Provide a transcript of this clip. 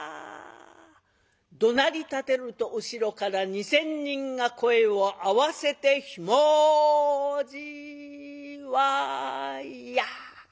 どなりたてると後ろから２，０００人が声を合わせて「ひもじいわいや！」。